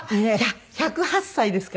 １０８歳ですから。